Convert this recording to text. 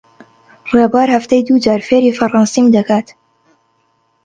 ڕێبوار هەفتەی دوو جار فێری فەڕەنسیم دەکات.